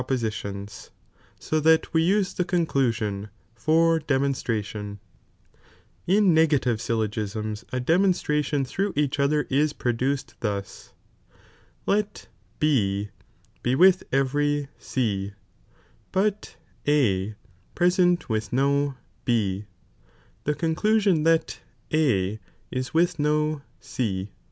'"'^''" poiitions,]! so that we use the conclusion ' for de j c"B'lLd'B In negaiivD syltogisnis a demonstration through e»ch other ia produced thus : let B be wilh e^ery J;^Jf^ C, hot A present with no B, the conclusion ihut A ia with DO C.